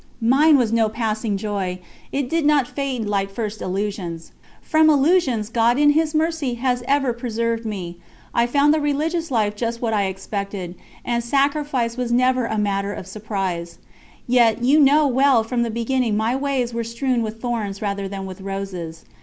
Mine was no passing joy, it did not fade like first illusions. From illusions God in His Mercy has ever preserved me. I found the religious life just what I expected, and sacrifice was never a matter of surprise. Yet you know well that from the beginning my ways was strewn with thorns rather than with roses.